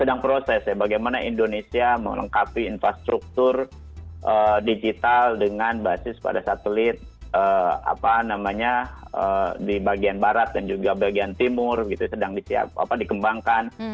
sedang proses ya bagaimana indonesia melengkapi infrastruktur digital dengan basis pada satelit apa namanya di bagian barat dan juga bagian timur sedang dikembangkan